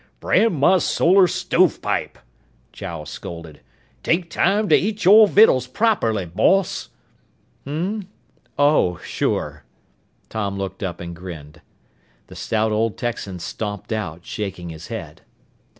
"Brand my solar stovepipe!" Chow scolded. "Take time to eat your vittles properly, boss!" "Hmm?... Oh, sure." Tom looked up and grinned. The stout old Texan stomped out, shaking his head.